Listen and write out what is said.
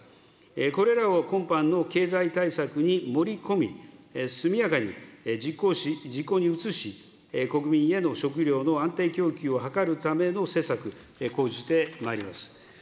これらを今般の経済対策に盛り込み、速やかに実行に移し、国民への食料の安定供給を図るための施策、講じてまいります。